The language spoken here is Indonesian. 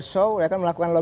saya akan menjawabnya